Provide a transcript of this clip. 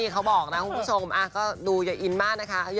คุณผู้ชมดูก็อย่าอินมากนะคะ